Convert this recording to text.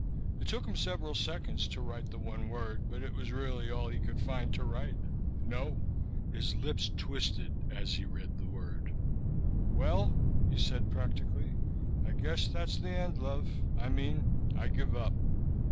It took him several seconds to write the one word, but it was really all he could find to write. No. His lips twisted as his eyes read the word. "Well," he said practically, "I guess that's the end, love. I mean, I give up."